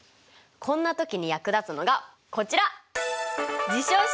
こんな時に役立つのがこちら！